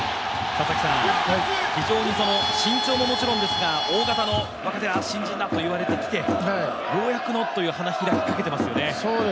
非常に身長ももちろんですが大型の若手、新人だといわれてきてようやく花開きかけていますね。